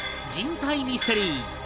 人体ミステリー